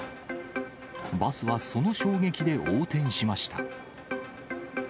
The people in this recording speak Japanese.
バスはその衝撃で横転しました。